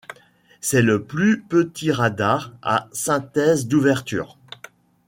C'est le plus petit radar à synthèse d'ouverture.